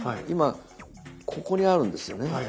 今ここにあるんですよね。